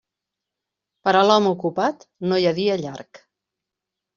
Per a l'home ocupat no hi ha dia llarg.